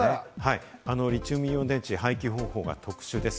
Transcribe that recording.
リチウムイオン電池、廃棄方法が特殊です。